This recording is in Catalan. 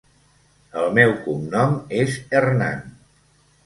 El meu cognom és Hernán.